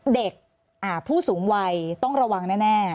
เด็กผู้สูงวัยต้องระวังแน่